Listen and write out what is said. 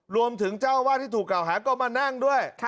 รวมถึงเจ้าวาดที่ถูกกล่าวหาก็มานั่งด้วย